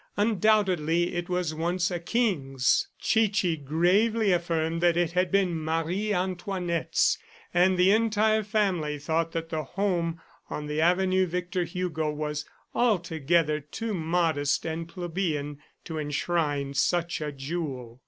Undoubtedly it was once a king's! Chichi gravely affirmed that it had been Marie Antoinette's, and the entire family thought that the home on the avenue Victor Hugo was altogether too modest and plebeian to enshrine such a jewel.